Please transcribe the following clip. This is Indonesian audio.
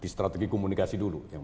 strategi komunikasi dulu